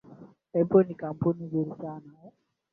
Apple ni kampuni nzuri sana